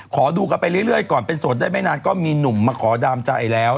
ขอดูกันไปเรื่อยก่อนเป็นโสดได้ไม่นานก็มีหนุ่มมาขอดามใจแล้ว